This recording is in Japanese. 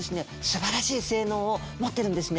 すばらしい性能を持ってるんですね。